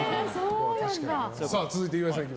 続いて、岩井さん。